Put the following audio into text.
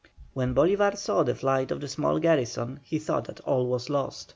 When Bolívar saw the flight of the small garrison, he thought that all was lost.